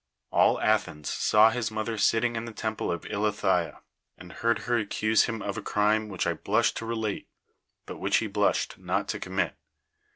All Athens saw his mother sitting in the temple of Illithyia, and heard her accuse him of a crime which I blush to relate, but which he blushed not to commit.